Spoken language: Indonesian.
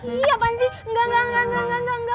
ih apaan sih engga engga engga engga engga